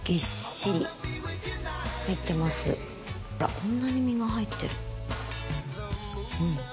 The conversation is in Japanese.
こんなに身が入ってる。